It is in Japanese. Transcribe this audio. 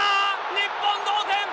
日本、同点！